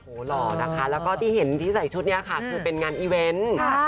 โอ้โหหล่อนะคะแล้วก็ที่เห็นที่ใส่ชุดนี้ค่ะคือเป็นงานอีเวนต์